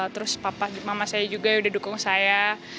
terus papa mama saya juga yang udah dukung saya